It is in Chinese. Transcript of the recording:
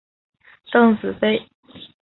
邓紫飞。